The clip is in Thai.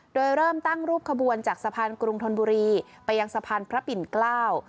โดยเริ่มตั้งรูปขบวนจากสะพานกรุงธนบุรีไปยังสะพานพระปิ่นเกล้า